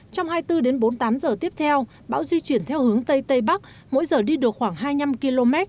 trong hai mươi bốn đến bốn mươi tám giờ tiếp theo bão di chuyển theo hướng tây tây bắc mỗi giờ đi được khoảng hai mươi năm km